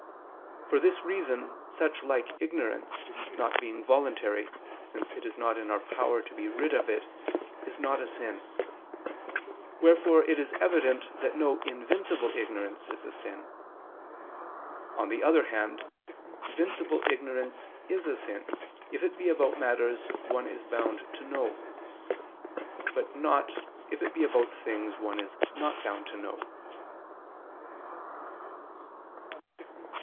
For this reason such like ignorance, not being voluntary, since it is not in our power to be rid of it, is not a sin: wherefore it is evident that no invincible ignorance is a sin. On the other hand, vincible ignorance is a sin, if it be about matters one is bound to know; but not, if it be about things one is not bound to know.